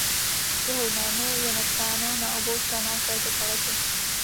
Jeho jméno je napsáno na obou stranách této palety.